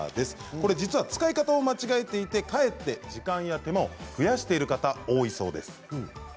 これ実は使い方を間違えていてかえって時間や手間を増やしている方、多いそうです。